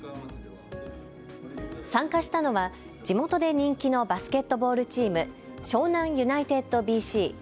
参加したのは地元で人気のバスケットボールチーム、湘南ユナイテッドＢＣ。